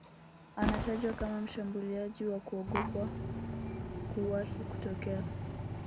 Anatajwa kama mshambuliaji wa kuogopwa kuwahi kutokea